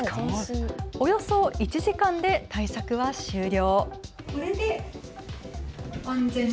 およそ１時間で対策は終了。